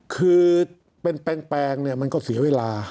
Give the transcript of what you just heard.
คือเป็นแปลงมันก็เสียเวลา